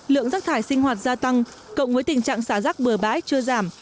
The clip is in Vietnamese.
lượng rác thải sinh hoạt gia tăng cộng với tình trạng xả rác bừa bãi chưa giảm